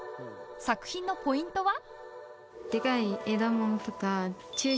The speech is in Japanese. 作品のポイントは？